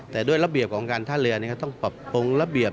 แต่ด้วยระเบียบของการท่าเรือก็ต้องปรับปรุงระเบียบ